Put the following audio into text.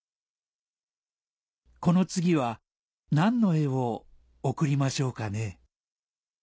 「この次は何の絵を送りましょうかね」